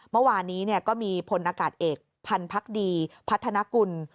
เมื่อวานนี้ก็มีพลอากาศเอกพันธ์พักดีพัฒนากุล